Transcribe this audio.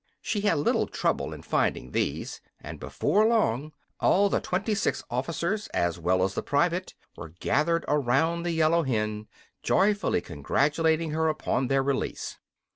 She had little trouble in finding these, and before long all the twenty six officers, as well as the private, were gathered around the yellow hen, joyfully congratulating her upon their release.